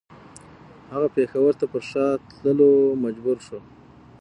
هغه پېښور ته پر شا تللو ته مجبور شو.